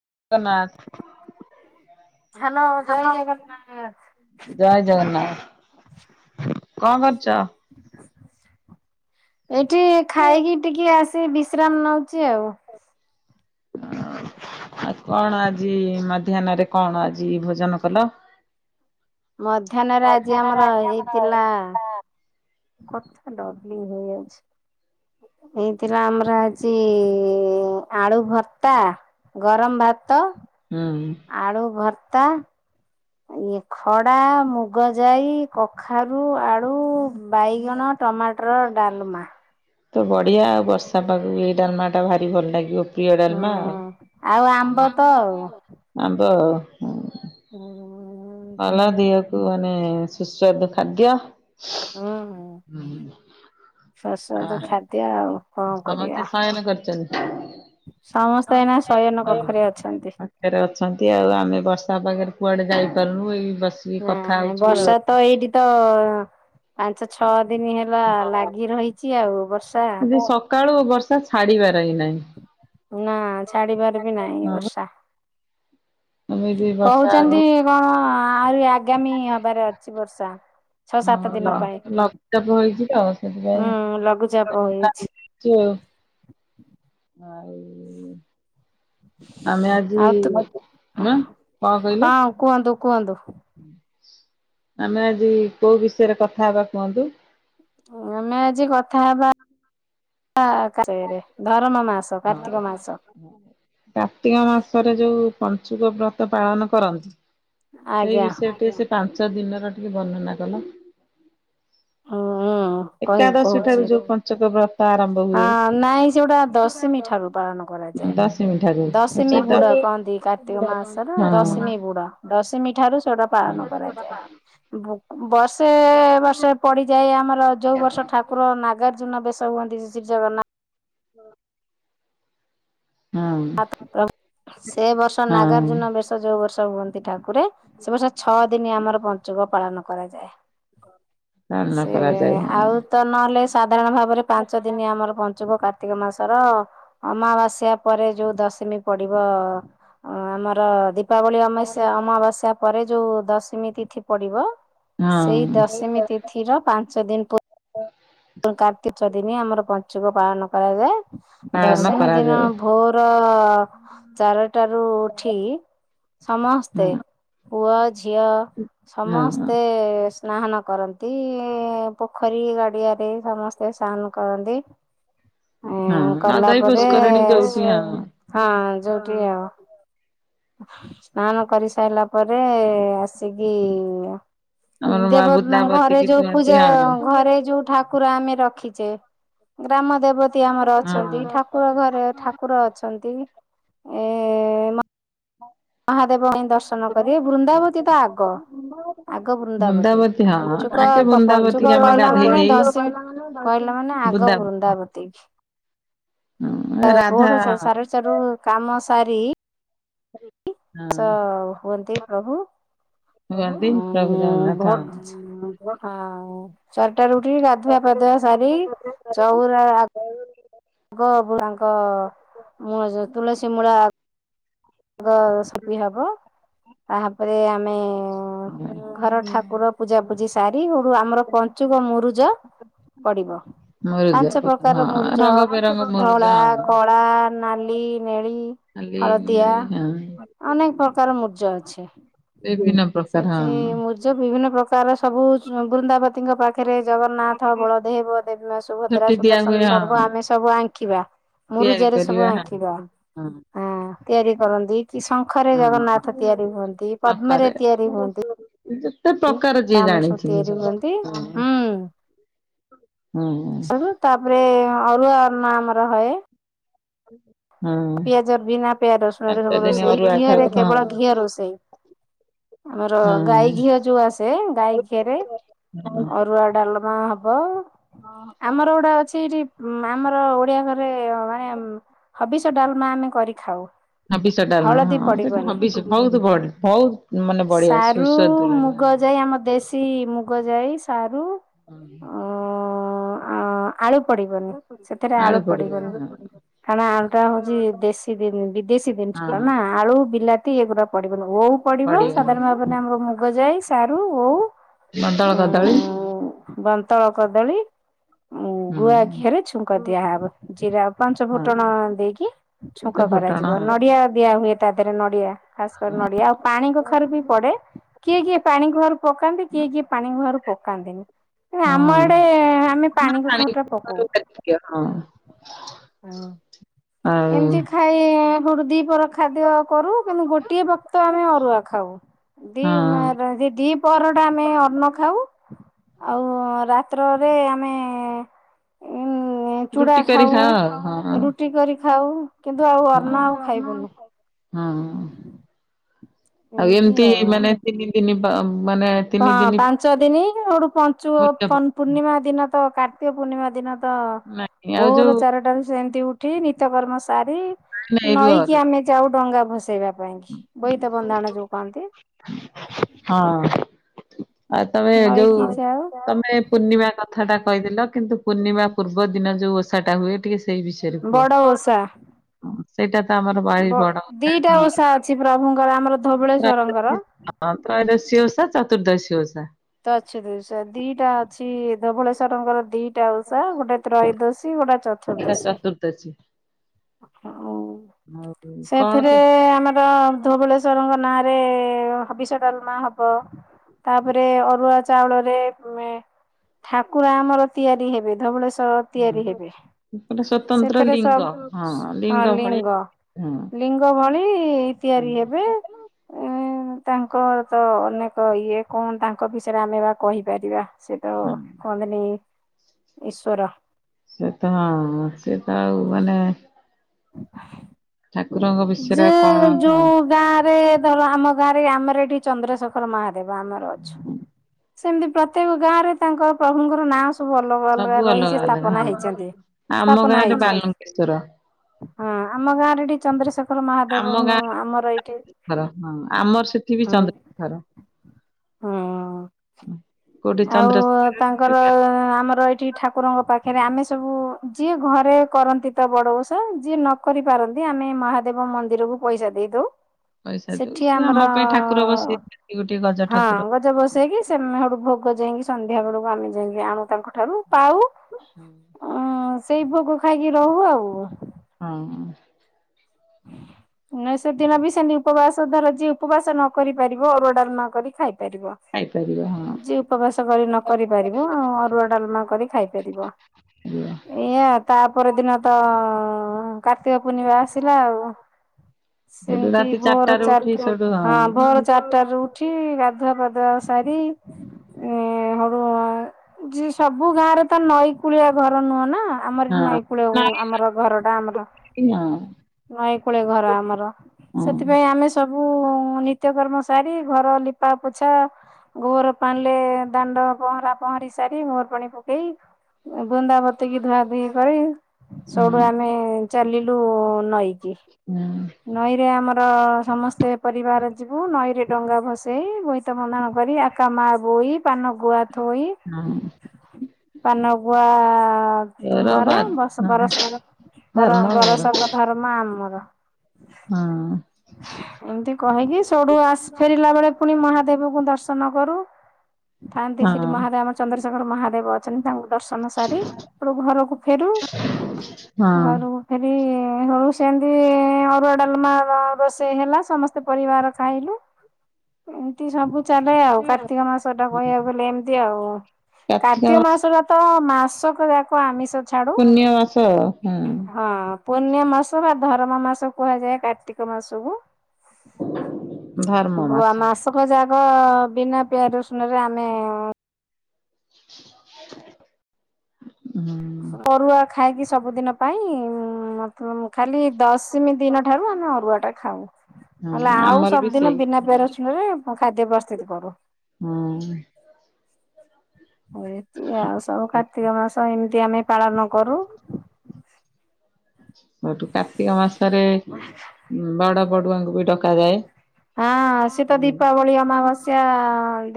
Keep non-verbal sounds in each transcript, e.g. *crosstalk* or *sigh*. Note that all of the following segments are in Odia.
ଜଗନ୍ନାଥ। ହ୍ୟାଲୋ ଜୟ ଜଗନ୍ନାଥ। ଜୟ ଜଗନ୍ନାଥ କଣ କରୁଛ? ଏଠି ଖାଇକି ଟିକେ ଆସି ବିଶ୍ରାମ ନଉଛି ଆଉ। ଆଉ କଣ ଆଜି ମାଧ୍ୟାହ୍ନରେ କଣ ଆଜି ଭୋଜନ କଲ? ମଧ୍ୟାହ୍ନରେ ଆଜି ଆମର ହେଇଥିଲା କଥା ଡ଼ବ୍ଲିଙ୍ଗି ହୋଇଯାଇଛି। ହେଇଥିଲା ଆମର ଆଜି ଆଳୁ ଭର୍ତ୍ତା। ଗରମ ଭାତ। ଭାତ, ହୁଁ ଆଳୁ ଭର୍ତ୍ତା, ଇଏ ଖଡା ମୁଗ ମୁଗ ଜାଇ, କଖାରୁ, ଆଳୁ। ବାଇଗଣ ଟମାଟର ଡାଲମା। ତ ବଢିଆ ଆଉ ବର୍ଷା ପାଗକୁ ଏଇ ଡାଲମା ଟା ଭାରି ଭଲ ଲାଗିବ। ପ୍ରିୟ ହୁଁ ଡାଲମା ଆଉ ଆଉ ତ ଆମ୍ବ କଣ ଆଉ। କରିବୁ ଆମ୍ବ। *inaudible* ହୁଁ ହଂ ସୁସ୍ୱାଦୁ ଖାଦ୍ୟ ହୁଁ ହ୍ନୁ ସୁସ୍ୱାଦୁ ଆହା ଖାଦ୍ୟ ଆଉ କଣ କରିବା। ସମସ୍ତେ ସୟନ କରିଛନ୍ତି। ସମସ୍ତେ ଏଇନା ଶୟନ କକ୍ଷରେ ଅଛନ୍ତି। ପାଖରେ ଅଛନ୍ତି ଆଉ ଆମେ ବଷ ବର୍ଷା ପାଗରେ କୁଆଡେ ଯାଇପାରୁନୁ ଏଇ। ବସିକି କଥା ନାଁଇ ହଉଛୁ ଆଉ। ବର୍ଷା ତ ଏଇଠି ତ ପାଞ୍ଚ ଛଅ। ଦିନି ହେଲା ଲାଗି ରହିଛି ଆଉ ବର୍ଷା ସକାଳୁ ବର୍ଷା ଛାଡିବାର ହିଁ ନାହିଁ। ନା ଛାଡିବାର ବି ନାହିଁ ହଁ ବର୍ଷା। ଏମିତି ବର୍ଷା ଆଜି କହୁଛନ୍ତି କଣ ଆହୁରି ଆଗାମୀ ହବାରେ ଅଛି ବର୍ଷା। ଛଅ ହଁ ସାତ ଦିନ ପାଇଁ ଲଘୁଚାପ ହେଇଛି ତ ହୁଁ ଲଘୁଚାପ ହେଇଛି। ସେଥିପାଇଁ *unintelligible* ଆାଇ *inaudible* ଆମେ ଆଜି ଆଉ ତୁ ନା କଣ କହିଲେ? ହଁ କୁହନ୍ତୁ କୁହନ୍ତୁ ଆମେ ଆଜି କୋଉ ବିଷୟରେ କଥା ହବା କୁହନ୍ତୁ? ଆମେ ଆଜି କଥା ହବା ସେ ଧରମ କାର୍ତ୍ତିକ ମାସରେ ଯୋଉ ପଞ୍ଚୁକ ବ୍ରତ ତ ପାଳନ କରନ୍ତି, ସେଇ ଆଜ୍ଞା ବିଷୟ ଟିକେ ସେ ପାଞ୍ଚ ପାଞ୍ଚଦିନର ଟିକେ ବର୍ଣ୍ଣନା କଲ। ହୁଁ କହିବୁ କହୁଛି। ଏକାଦଶୀଠାରୁ ଯୋଉ ପଞ୍ଚୁକ ବ୍ରତ ଆରମ୍ଭ ହୁଏ ହଁ ନାଇଁ ସେଗୁଡା ଦଶିମୀ ଠାରୁ ପାଳନ କରାଯାଏ। ଦଶମୀ ଠାରୁ। ଦଶିମୀ ବୁଡ କହନ୍ତି, କାର୍ତ୍ତିକ ମା ମାସର ଦଶିମୀ ବୁଡ। ହଁ ଦଶିମୀ ଠାରୁ ସେଗୁଡ଼ା ହଁ ପାଳନ ହଁ କରାଯାଏ। ବୁକୁ ବର୍ଷ ର୍ଷେ ବର୍ଷେ ପଡ଼ିଯାଏ ଆମର ଯୋଉ ବର୍ଷ ଠାକୁର ନାଗାର୍ଜୁନ ବେଶ ହୁଅନ୍ତି, ସେ ଶ୍ରୀଜଗନ୍ନା ହଁ। ତାପରେ ପ୍ରଭୁ, ସେ ବର୍ଷ ନାଗାର୍ଜ୍ଜୁନ ବେଶ ଯୋଉ ବର୍ଷ ହୁଅନ୍ତି ଠାକୁ କୁରେ, ସେ ବର୍ଷ ଛଅ ଦିନି ଆମର ପଞ୍ଚୁକ ପାଳନ କରାଯାଏ। ପାଳନ ସେ କରାଯାଏ ହଁ ଆଉ ତ ନଅଲେ ସାଧାରଣ ଭାବରେ ପାଞ୍ଚ ଦିନି ଆମର ପଞ୍ଚୁକ କା କାର୍ତ୍ତିକ ମାସର ଅମାବାସ୍ୟା ପରେ ଯୋଉ ଦଶମୀ ପଡିବ, ଅ ଆମ ର ଦୀପାବଳି ଅମେଇସା ଅମାବାସ୍ୟା ପରେ ଯୋଉ ଦଶମୀ ତିଥି ପଡିବ ହଁ ସେଇ ଦଶମୀ ତି ପାଞ୍ଚଦିନ ପୁ ପୁଣି କାର୍ତ୍ତି ପାଞ୍ଚଦିନି ଆମର ପଞ୍ଚୁକ ପାଳନ କରାଯାଏ। ପାଳନ ଦଶିମୀ ଦିନ କରାଯାଏ ଭୋର ଅ ଚାରଟାରୁ ଉଠିକି ହଁ ସମସ୍ତେ, ପୁଅ ଆଉ ଝିଅ ହଁ ସମସ୍ତେ ସ୍ନାହାନ କରନ୍ତି, ଇ ପୋଖରୀ ଗାଡ଼ିଆରେ ଟେଇ ସମସ୍ତେ ସାହାନ କରନ୍ତି। ହଁ ଏଁ କଲା ନଦଇ ପରେ, ପୁଷ୍କରିଣୀ ଯୋଉଠି ହଁ ହଁ ଯୋଉଠି ଆଉ। ସ୍ନାହାନ କରିସାଇଲା ପରେ, ଆସିକି ଆମର ମା ଦେବ ଘରେ ବୁଦାବତୀକି ଯୋଉ ଧୁଅନ୍ତି ପୂଜା, ହଁ ଘରେ ଯୋଉ ଠାକୁର ଆମେ ରଖି ଚେ, ଗ୍ରାମ ଦେବତୀ ଆମର ହଁ ଅଛନ୍ତି, ଠାକୁର ଘରେ ଠାକୁର ଅଛନ୍ତି ଏ ମା ମହାଦେବଙ୍କୁ ପାଇଁ ଦର୍ଶନ କରିବେ। ବୃନ୍ଦାବତୀ ତ ଆଗ ଆଗ ବୃନ୍ଦାବତୀ। ହଁ ପଞ୍ଚୁକ ଆଗେ କ-କ ବୃନ୍ଦାବତୀକି ପଞ୍ଚୁକ ଆମେ କହିଲା ଗାଧେଇ ମାନେ ଦେଇ ଦଶମୀ କହିଲା ମାନେ ଆଗ ବୁଦା ବୃନ୍ଦାବତୀ। *inaudible* ରାଧା ଭୋଡ ସାଢ଼େ ଚାରିରୁ କାମ ସାରି ହଁ *inaudible* ସ ହୁଅନ୍ତି ପ୍ରଭୁ। ହୁଅନ୍ତି *unintelligible* ପ୍ରଭୁ ଜଗନ୍ନାଥ ଚାରଟାରୁ ଉଠିକି, ଗାଧୁଆ ପାଧୁଆ ସାରି, ଚଉରା ଆ ଆଗ ବୁଳାଙ୍କ ମୂଳ ଯୋଉ ତୁଳସୀ ମୂଳା ଙ୍କ ସଫି ହବ, ତାହାପରେ ଆମେ ହଁ ଘର ଠାକୁର ପୂଜାପୂଜି ସାରି, ହେଉଠୁ ଆମର ପଞ୍ଚୁକ ମୁରୁଜ ପଡିବ। ମୁରୁଜ ପାଞ୍ଚ ହଁ ପ୍ରକାରର ମୁରୁଜ ରଙ୍ଗ ବେରଙ୍ଗ ମୁରୁଜ ଧଳା, ହଁ। କଳା, ନାଲି, ନେଳି ନାଲି, ହଳଦିଆ ନେଳି ନାଇଁ ଅନେକ ପ୍ରକାରର ମୁରୁଜ ଅଛି। ବିଭିନ୍ନ ପ୍ରକାର ସେଥି ହଁ। ମୁରୁଜ ବିଭିନ୍ନ ପ୍ରକାରର ସବୁ ବୃନ୍ଦାବତୀଙ୍କ ପାଖରେ ଜଗନ୍ନାଥ ଥ, ବଳଦେହେବ, ଦେବ ସୁଭଦ୍ରା, ଝୋଟି ଦିଆ ସୁଦର୍ଶନ ହୁଏ ସବୁ ହଁ ଆମେ ସବୁ ଆଙ୍କିବା। ତିଆରି ମୁରୁଜରେ ସବୁ କରିବା ହଁ। ଆଙ୍କିବା। ହଁ। ତିଆରି କରନ୍ତି, କି ଶଙ୍ଖରେ ହଁ ଜଗନ୍ନାଥ ତିଆରି ହୁଅନ୍ତି, ପଦ୍ମରେ ତିଆରି ହୁଅନ୍ତି। *unintelligible* ଯେତେ ପ୍ରକାର ଯିଏ ଆମର ସବୁ ଜାଣିଛି ତିଆରି ସେ ହୁଅନ୍ତି ହଁ। ହଁ ସୋଉଟୁ ତାପରେ ଅରୁଆ ଅର୍ଣ୍ଣ ଆମର ହଏ। *unintelligible* ପିଆଜ ବିନା ପିଆଜ ରସୁଣରେ ପାଞ୍ଚ ସବୁ ଦିନ ରୋଷେଇ, ଅରୁଆ ଖାଉ ଘିଅରେ ହଁ। କେବଳ ଘିଅ ରୋଷେଇ। ଆମର ହଁ ହଁ ଗାଈ ଘିଅ ଯୋଉ ଆସେ, ଗାଈ ଘିଅରେ ଅରୁଆ ଡାଲମା ହବ, ଆମର ଗୋଟାଏ ଅଛି ଇଠି ଆମର ଓଡ଼ିଆ ଘରେ ମାନେ ହବିଷ୍ୟ ଡାଲମା ଆମେ କରି ଖାଉ। ହବିଷ ଡାଲମା ହଳଦୀ ହଁ ସେଟା ପଡିବନି। ହବିଷ ବହୁତୁ ବଡ ବହୁତୁ ସାରୁ, ମୁଗ ଯାଇ ଆମ ଦେଶୀ ମୁଗ ଯାଇ ସାରୁ ହଁ ଆଳୁ ପଡିବନି ସେଥିରେ ଆଳୁ ପଡିବନି କାରଣ ଆଳୁଟା ହଉଛି ଦେଶୀ ଦ ବିଦେଶୀ ଜିନିଷ କ ହଁ ନା ଆଳୁ ବିଲାତି ଇଗୁଡା ପଡିବନି ଓଉ ପଡିବ ସାଧାରଣ ପଡିବନି। ଭାବରେ ଆମର ମୁଗ ଯାଇ ସାରୁ ଓଉ କଦଳ କଦଳୀ ତଳ କଦଳୀ ଉ ହୁଁ ଗୁଆ ଘିଅରେ ଛୁଙ୍କ ଦିଆହବ ଜିରା ପାଞ୍ଚ ହଁ ଫୁଟଣ ଦେଇକି ଛୁଙ୍କ ଫୁଟଣ କରାଯିବ ନ ହଁ। ନଡିଆ ଦିଆ ହୁଏ ତା ଦେହରେ ନଡିଆ ଖାସ କରି ନଡିଆ ଆଉ ପାଣି କଖାରୁ ପଡେ କିଏ କିଏ ପାଣି ଘହରୁ ପକାନ୍ତି କିଏ କିଏ ପାଣି ଘହରୁ ପକାନ୍ତିନି ଆମ ଏଡେ ଆମେ ପାଣି କ ଖା ପକଉ ହଁ ହଁ ଆଉ ଏମିତି ଖାଇ ୁ ଦିପ ଖାଦ୍ୟ କରୁ କିନ୍ତୁ ଗୋଟିଏ ଭକ୍ତ ଆମେ ଅରୁଆକୁ ହଁ ଦି ଦି ପହରଟା ଆମେ ଅନ୍ନ ଖାଉ ଆଉ ରାତ୍ରରେ ଆମେ ଚୁଡା ରୁଟି କରି ଖାଉ ଖାଅ ହଁ ହଁ। ରୁଟି କରି ଖାଉ କିନ୍ତୁ ଆଉ ଅର୍ଣ ଆଉ ଖାଇବୁନୁ ହଁ ଆଉ ଏମିତି ମାନେ ତିନି ତିନି ମାନେ ହଁ ଦିନି ପାଞ୍ଚ ଦିନ ଆୋଠୁ ପଞ୍ଚୁ ପୂର୍ଣ୍ଣିମା ଦିନ ତ କାର୍ତ୍ତିକ ପୂର୍ଣ୍ଣିମା ଦିନ ତ ନାଇଁ ତ ଆଉ ବୋର ଯୋଉ ଚାରିଟାରୁ ସେମିତି ଉଠି ନିତକର୍ମ ସାରି ନାଇଁ ରୁହ ନଈକି ଆମେ ଯାଉ ଡଙ୍ଗା ଭସେଇବା ପାଇଁ କି ବୋଇତ ବଧାଣ ଯୋଉ କହନ୍ତି ହଁ ଆଉ ତମେ ଯୋଉ ନଈକି ଯାଉ ତମେ ପୂର୍ଣିମା କଥାଟା କହିଦେଲ କିନ୍ତୁ ପୂର୍ଣ୍ଣିମା ପୂର୍ବ ଦିନ ଯୋଉ ଓଷାଟା ହୁଏ ଟିକେ ସେଇ ବିଷୟରେ କୁହ ବଡ ଓଷା ସେଇଟା ତ ଆମର ବାାଇ ବଡ ଦିଟା ହ ଓଷା ଅଛି ପ୍ରଭୁଙ୍କର ଆମର ହଁ ଧବଳେଶ୍ଵରଙ୍କର। ତ୍ରୟୋଦଶୀ ଓଷ ଚତୁର୍ଦ୍ଦଶୀ ଓଷ ତ ଅଛି ଦୁଇଶହ ଦିଟା ଅଛି ଧବଳେଶ୍ଵରଙ୍କର ଦିଟା ଗୋଟେ ଉଷା ଗୋଟେ ତ୍ରୟୋଦଶୀ ଗୋଟେ ଏଇଟା ଚତୁର୍ଦ୍ଦଶୀ ଚତୁର୍ଦ୍ଦଶୀ। ହ ଆଉ କଣ ସେଥିରେ କେ ଆମର ଧୁବଳେଶ୍ଵରଙ୍କ ନାଁ ରେ ବିଷ ଡାଲମା ହବ ତାପରେ ଅରୁଆ ଚାଉଳରେ ଠାକୁରା ଆମର ତିଆରି ହେବେ ଧବଳ ତ ତିଆରି ହୁଁ ହେବେ ଗୋଟେ ସ୍ଵତନ୍ତ୍ର ସେଥିରେ ଲିଙ୍ଗ ସବ ହଁ ହଁ ଭଳିଆ ଲିଙ୍ଗ ହଁ ଲିଙ୍ଗ ଭଳି ତିଆରି ହେବେ ହଁ। ତାଙ୍କର ତ ଅନେକ ଇଏ କଣ ତାଙ୍କ ବିଷୟରେ ଆମେ ବା କହିପାରିବା ସେ ତ ହଁ କୁହନ୍ତିନି ଈଶ୍୍ୱର ପଲେ ବିଷୟରେ ଯେ ଆଉ କଣ ହଁ ଯୋଉ ଗାଁ ରେ ଧର ଆମ ଗାଁରେ ଆମର ଏଠି ଚନ୍ଦ୍ରଶେଖର ମାହାନ୍ତି ଦେବା ଆମର ଅଛ ସେମତି ପ୍ରତ୍ୟେକ ଗାଁ ରେ ତାଙ୍କ ପ୍ରଭୁଙ୍କ ନାଁ ସବୁ ଅଲଗା ଅଲଗା ସବୁ ରହି ସେ ଅଲଗା ସ୍ଥାପନା ହଁ। ହେଇଛନ୍ତି ଆମ ସ୍ଥାପନା ଗାଁରେ ହେଇଛନ୍ତି ବାଲୁଙ୍କେଶ୍ଵର ହଁ ଆମ ଗାରଡି ଚନ୍ଦ୍ରଶେ ଶର ମହାଦେବ ଆମ ଗାଁରେ ଆମର ଏଇଠି ହଁ ଆମର ସେଠି ବି ହୁଁ ଚନ୍ଦ୍ରଶେଖର ହଁ କୋଉଠି ଆଉ ଚନ୍ଦ୍ରଶେଖର ତାଙ୍କର କୋଉଠି ଆମର ଏଇଠି ଠାକୁରଙ୍କ ପାଖରେ ଆମେ ସବୁ ଯିଏ ଘରେ କରନ୍ତି ତ ବଡଷ ଯିଏ ନ କରି ପାରନ୍ତି ଆମେ ମହାଦେବ ମନ୍ଦିରକୁ ପଇସା ଦେଇଦଉ ପଇସା ଦଉ ସେଠି ସିଏ ଆମର ଆମ ପାଇଁ ଠାକୁର ବସେଇଛନ୍ତି ଗୋଟେ ଗଜ ହଁ ଠାକୁର। ଗଜ ବସେଇକି ସେଠୁ ଭୋଗ ଯାଇକି ସନ୍ଧ୍ୟା ବେଳକୁ ଆମ ଯାଇକି ଆଣୁ ତା ଠାରୁ ପାଉ ସେଇ ଭୋଗ ଖାଇକି ରହୁ ଆଉ ହଁ ନା ସେଦିନ ବି ସେନି ଉପବାସ ଧର ଯିଏ ଉପବାସ ନ କରି ପାରିବ ନ କରି ଖାଇ ପାରିବ। ଖାଇପାରିବ ହଁ ଯିଏ ଉପବାସ କରି ନ କରି ପାରିବ ଆଉ ଅରୁଆ ଡାଲମା କରି ଖାଇପାରିବ। ଖାଇପାରିବ ଏଇଆ ତାପରଦିନ ତ- କାର୍ତ୍ତିକ ପୂର୍ଣ୍ଣିମା ଆସ୍ ଥିଲା ଆଉ। ସେଠୁ ସେମିତି ରାତି ଭୋର ଚାରିଟାରେ ଉଠି ଚାରିଟା ସେଠୁ ହଁ ଭୋର ଚାରିଟା ରୁ ଉଠି ଗାଧୁଆ ପାଧୁଆ ସାରି ଇଁ ହଉ ଆଉ। ଯି ସବୁ ଗାଁ ରେ ତ ନଈ କୂଳିଆ ଘର ନୁହଁ ନା? ଆମର ଏଠି ହଁ ନଈକୂଳ ଆମର ଘର ଟା ଆମର ନାଇଁ ହଁ ନଈ କୂଳ ଘର ଆମର। ହଁ ସେଥିପାଇଁ ଆମେ ସବୁ ନିତ୍ୟକର୍ମ ସାରି ଘର ଲିପା ପୋଛା ଗୋବର ପାଣି ରେ ଦାଣ୍ଡ ପହଁରା ପହଁରା ମାରି ସାରି ଗୋବର ପାଣି ପକେଇ ବୃନ୍ଦାବତୀ କି ଧୁଆଧୁଇକରି ସେଇଠୁ ହଁ ଆମେ ଚାଲିଲୁ ନଈ କି ନଈରେ ଆମର ସମସ୍ତେ ପରିବାର ଯିବୁ ନଈରେ ଡଙ୍ଗା ଭସେଇ ବୋଇତ ବନ୍ଦାଣ କରି ଆକା ମା ବୋଇ ପାନ ଗୁଆ ଥୋଇ ହଁ ହଁ। ପାନ ଗୁଆ- ତୋର ତୁମର ବା ବର୍ଷ ହଁ ବରଷ ଧର୍ମ କର। ବରଷକ ଧର୍ମ ଆମର। ହଁ ଏମତି କହିକି ସଠୁ ଆସି- ଫେରିଲା ବେଳେ ପୁଣି ମହାଦେବଙ୍କୁ ଦର୍ଶନ ଦର୍ଶନ କରୁ ଥାନ୍ତି ସେଠି ହଁ ମହାଦେବ ଆମ ଚନ୍ଦ୍ରଶେଖର ମହାଦେବ ଅଛନ୍ତି ତାଙ୍କୁ ଦର୍ଶନ ସାରି ଘରକୁ ଫେରୁ ହଁ ଘରକୁ ଫେରି ସେମିତି ଅରୁଆ ଡାଲମା ରୋଷେଇ ହେଲା ସମସ୍ତେ ପରିବାର ଖାଇଲୁ। ଏମିତି ସବୁ ଚାଲେ ଆଉ କାର୍ତ୍ତିକ ମାସ ଟା କହିବାକୁ ଗଲେ ଏମତି ଆଉ। କାର୍ତ୍ତିକ ମାସଟା ତ ମାସକ ଯାକ ଆମିଷ ଛାଡୁ। ପୁଣ୍ୟ ମାସ ଆଉ। ହୁଁ ପୁର୍ଣ୍ୟ ମାସ ବା ଧରମ ମାସ କୁହାଯାଏ କାର୍ତ୍ତିକ ମାସ କୁ। ଧର୍ମ ମାସ। ମାସକ ଯା ହଁ ବିନା ପିଆ ରସୁଣରେ ଆମେ *inaudible* ଅରୁଆ ଖାଇକି ସବୁଦିନ ପାଇଁ ମଧୁ ମୁଁ ଖାଲି ଏ ଦଶମୀ ଦିନ ଠାରୁ ଆମେ ଅରୁଆ ଟା ଖାଉ। ନ ହଁ ହେଲେ ଆଉ ଆମର ବି ସବୁଦିନ ସେଇ ବିନା ପିଆଜ ରସୁଣ ରେ ଖାଦ୍ୟ ପ୍ରସ୍ତୁତ କରୁ। ହୁଁ। ଏତି ଆଉ ସବୁ କାର୍ତ୍ତିକ ମାସ ଏମିତି ଆମେ ପାଳନ କରୁ। ସେଠୁ କାର୍ତ୍ତିକ ମାସରେ ବଡ ବଡୁଆଙ୍କୁ ବି ଡକାଯାଏ। ହଁ ସେ ତ ହୁଁ। ଦୀପାବଳି ଅମାବାସ୍ୟା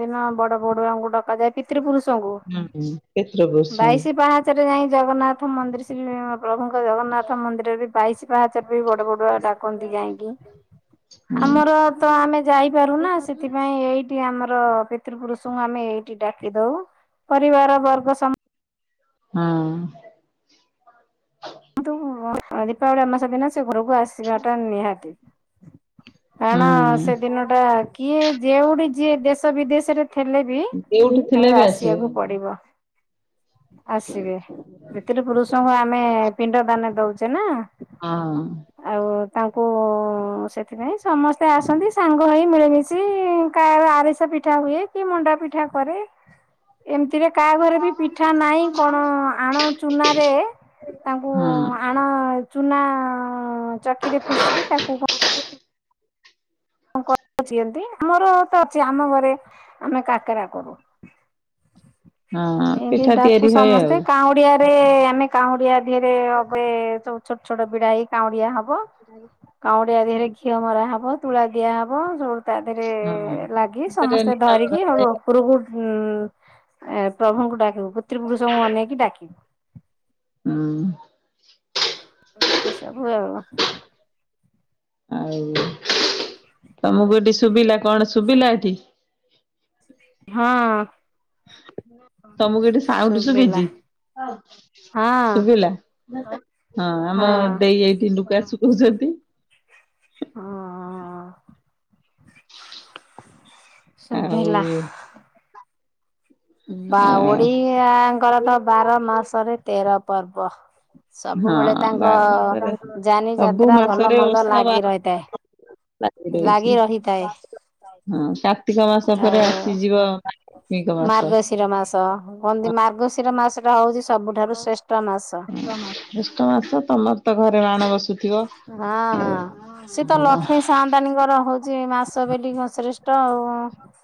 ଦିନ ବଡ ବଡୁଆଙ୍କୁ ଡକ ଯାଏ ପିତୃ ପୁରୁଷଙ୍କୁ ହୁଁ କ୍ଷେତ୍ର ପୁରୁଷଙ୍କୁ ବାଇଶି ପାହାଚରେ ଯାଇ ଜଗନ୍ନାଥ ମନ୍ଦିର ସେ ପ୍ରଭୁଙ୍କ ଜଗନ୍ନାଥ ମନ୍ଦିର ବି ବାଇଶି ପାହାଚରେ ବି ବଡବାଡ଼ୁଆ ଡାକନ୍ତି ଯାଇକି। ହୁଁ ଆମର ତ ଆମେ ଯାଇପାରୁନା ସେଥିପାଇଁ ଏଇଠି ଆମର ପିତୃ ପୁରୁଷଙ୍କୁ ଆମେ ଏଇଠି ଡାକି ଦଉ ପରିବାର ବର୍ଗ ସମ୍ ହୁଁ। କିନ୍ତୁ ଦୀପାବଳି ଅମାବାସ୍ୟା ଦିନ ସେ ଘରକୁ ଆସିବା ଟା ନିହାତି। କାରଣ ହୁଁ। ସେଦିନ ଟା କିଏ ଯେଉଠି ଯିଏ ଦେଶ ବିଦେଶରେ ଥିଲେ ବି ଯୋଉଠି ଥିଲେ ତାଙ୍କୁ ବି ଆସିବେ ଆସିବାକୁ ପଡିବ। ଆସିବେ ପିତୃ ପୁରୁଷଙ୍କୁ ଆମେ ପିଣ୍ଡ ଦାନ ଦଉଛେ ନା। ହଁ। ଆଉ ତାଙ୍କୁ ସେଥିପାଇଁ ସମସ୍ତେ ଆସନ୍ତି ସାଙ୍ଗ ହେଇ ମିଳିମିଶି କାହାର ଆରିସା ପିଠା ହୁଏ କି ମଣ୍ଡା ପିଠା କରେ ଏମିତିରେ କାହା ଘରେ ବି ପିଠ ପିଠା ନାହିଁ କଣ ଆଣ ଚୁନାରେ ତାଙ୍କୁ ହଁ। ଆଣ ଚୁନା ଆ-ଚାକିରେ ଫେସିକି ତାକୁ କଣ? *inaudible* ଆମର ତ ଅଛି ଆମ ଘରେ ଆମେ କାକରା କରୁ। ହଁ ଏମିତି ପିଠା ଡାକୁ ତିଆରି ହୁଏ ସମସ୍ତେ। ଆଉ କାଉଁଡିଆରେ ଆମେ କାଉଁଡିଆ ଧିଅରେ ଅଗେ ସବୁ ଛୋଟ ଛୋଟ ବିଡା ହେଇ କାଉଁଡିଆ ହବ। କାଉଁଡିଆ ଧିଅରେ ଘିଅ ମରା ହବ। ତୁଳା ଦିଆ ହବ। ସବୁ ତା ଦେହରେ ହଁ। ଲାଗି ସେଥିରେ ସମସ୍ତେ ନିଆଁ ଧରିକି ଲଗାଯାଏ ସେଉଠୁ ଉପରକୁ ଉଁ, ଏ ପ୍ରଭୁଙ୍କୁ ଡାକିବୁ। ପୁତ୍ରିପୁରୁଷଙ୍କୁ ଅନେଇକି ଡାକିବୁ। ହୁଁ ଏମତି ସବୁ ଆଉ। ଆଉ ତୋମକୁ ଏଠି ଶୁବିଲା କଣ ଶୁବିଲା ଏଠି? ହଁ। ତୋମକୁ ଏଠି ସାଉଣ୍ଡ ଶୁଭିଚି? ଶୁଭିଲା? ହଁ ଆମ ଦେଇ ଏଇଠି ଲୁଗା ଶୁଖଉଛନ୍ତି। ହଁ। ଶୁଭିଲା। ଆଉ ବା ଅ ଓଡିଆଙ୍କର ତ ବାର ମାସରେ ତେର ପର୍ବ। ସବୁବେଳେ ହଁ ତାଙ୍କ ବାର ମାସରେ ଯାନି ସବୁ ଯାତ୍ରା ଭଲ ମନ୍ଦ ଲାଗି ରହିଥାଏ। *unintelligible* ଦେଇଛି ଲାଗି ରହିଥାଏ ହଁ କାର୍ତ୍ତିକ ମାସ ଆଉ ପରେ ଆସିଯିବ। ନିକ ମାସ। ଶିର ମାସ। କହନ୍ତି ମାର୍ଗଶିର ମାସ ଟା ହଉଚି ସବୁଠାରୁ ଶ୍ରେଷ୍ଠ ମାସ। ଜ୍ୟେଷ୍ଠ ମାସ। ତୋମର ତ ଘରେ ମାଣ ବସୁଥିବ? ହଁ ହଁ। ସେ ତ ହଁ। ଲକ୍ଷ୍ମୀ ସାଆନ୍ତାଣୀଙ୍କର ହଉଚି ମାସ ବୋଲି ହଁ ଶ୍ରେଷ୍ଠ ଆଉ।